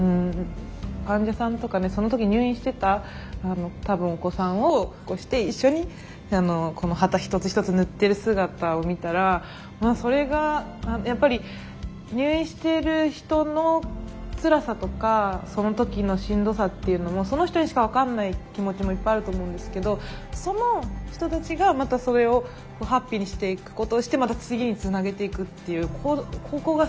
患者さんとかねその時入院してた多分お子さんをだっこして一緒にこの旗一つ一つ塗ってる姿を見たらそれがやっぱり入院している人のつらさとかその時のしんどさっていうのもその人にしか分かんない気持ちもいっぱいあると思うんですけどその人たちがまたそれをハッピーにしていくことをしてまた次につなげていくっていうここがすっごいポイントなんだなと思います。